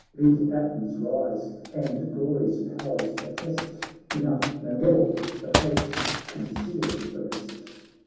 Bid Athens rise and glory's powers attest. Enough — no more — the fates conceal the rest."